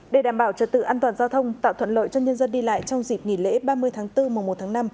để đảm bảo trật tự an toàn giao thông tạo thuận lợi cho nhân dân đi lại trong dịp nghỉ lễ ba mươi tháng bốn mùa một tháng năm